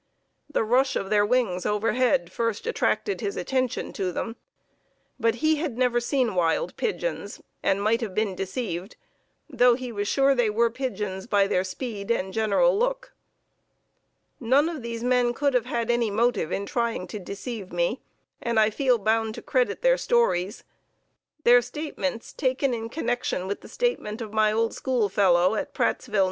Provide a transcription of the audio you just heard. The rush of their wings overhead first attracted his attention to them. But he had never seen wild pigeons, and might have been deceived, though he was sure they were pigeons by their speed and general look. None of these men could have had any motive in trying to deceive me, and I feel bound to credit their stories. Their statements, taken in connection with the statement of my old schoolfellow at Prattsville, N.